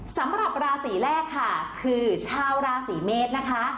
สำหรับราศีแรกค่ะคือชาวราศีเมษนะคะ